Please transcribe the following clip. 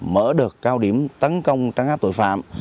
mở được cao điểm tấn công trắng áp tội phạm